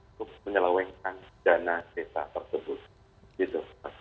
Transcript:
untuk menyelenggan dana desa tersebut